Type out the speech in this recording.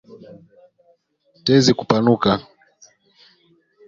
Tezi kupanuka